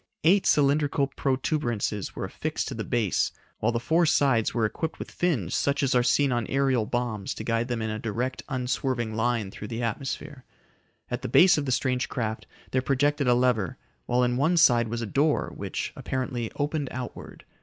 Eight cylindrical protuberances were affixed to the base while the four sides were equipped with fins such as are seen on aerial bombs to guide them in a direct, unswerving line through the atmosphere. At the base of the strange craft there projected a lever, while in one side was a door which, apparently opened outward.